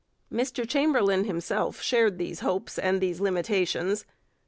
Mr Chamberlain himself shared these hopes and these limitations.